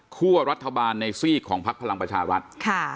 คั่วรัฐบาลในซีกของพักพลังประชาวัฒน์ค่ะ